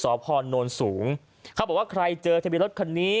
สวพนนลสูงเขาบอกว่าใครเจอที่มีรถคันนี้